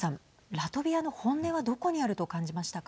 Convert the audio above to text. ラトビアの本音はどこにあると感じましたか。